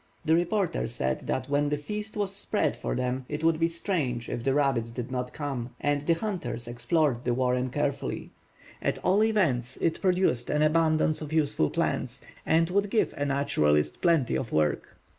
The reporter said that when the feast was spread for them it would be strange if the rabbits did not come; and the hunters explored the warren carefully. At all events, it produced an abundance of useful plants, and would give a naturalist plenty of work.